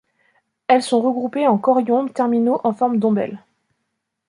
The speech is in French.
Elles sont regroupées en corymbes terminaux en forme d'ombelles.